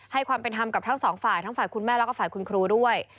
ความเป็นธรรมกับทั้งสองฝ่ายทั้งฝ่ายคุณแม่แล้วก็ฝ่ายคุณครูด้วย